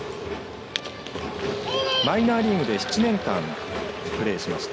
マイナーリーグで７年間プレーしました。